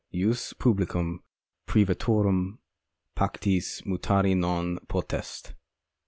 Jus publicum privatorum pactis mutari non potest.